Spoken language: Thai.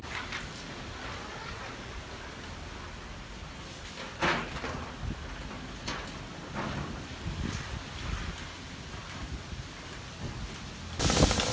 สวัสดีครับคุณผู้ชาย